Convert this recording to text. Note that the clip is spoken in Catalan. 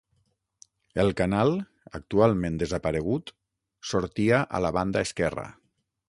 El canal, actualment desaparegut, sortia a la banda esquerra.